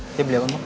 ini beli apa bang